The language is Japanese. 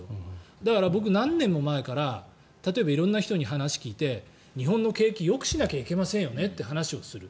だから僕、何年も前から色んな人に話を聞いて日本の景気、よくしなきゃいけませんよねって話をする。